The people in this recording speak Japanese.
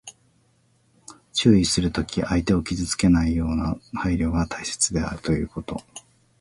注意するときに、相手を傷つけないような配慮が大切であるということ。